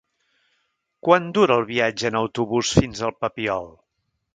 Quant dura el viatge en autobús fins al Papiol?